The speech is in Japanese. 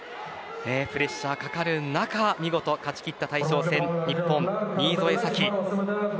プレッシャーがかかる中見事勝ち切った大将戦日本、新添左季。